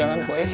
jangan bu eh